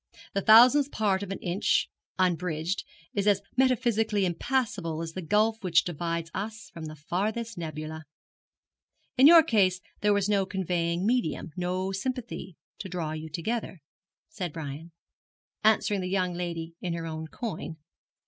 The thousandth part of an inch, unbridged, is as metaphysically impassable as the gulf which divides us from the farthest nebula. In your case there was no conveying medium, no sympathy to draw you together,' said Brian, answering the young lady in her own coin.